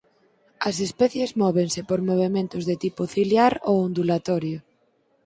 As especies móvense por movementos de tipo ciliar ou ondulatorio.